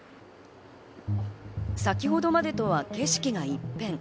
先程までとは景色が一変。